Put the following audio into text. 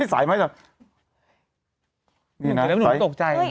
สวัสดีครับคุณผู้ชม